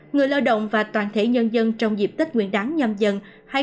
người lao động và toàn thể nhân dân trong dịp tích nguyên đáng nhâm dần hai nghìn hai mươi hai